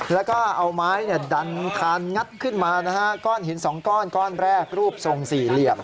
แล้วก็เอาไม้ดันคานงัดขึ้นมานะฮะก้อนหินสองก้อนก้อนแรกรูปทรงสี่เหลี่ยม